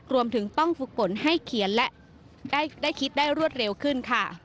รวมถึงต้องฝึกฝนให้เขียนและได้คิดได้รวดเร็วขึ้นค่ะ